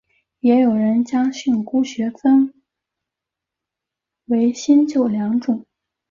也有人将训诂学分为新旧两种。